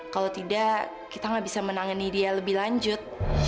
kalau tidak kita nggak bisa menangani dia lebih lanjut